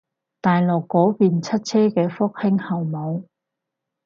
大陸嗰邊出車嘅復興號冇